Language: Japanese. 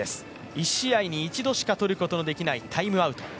１試合に一度しかとることができないタイムアウト。